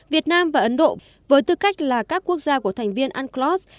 việt nam và ấn độ với tư cách là các quốc gia của thành viên unclos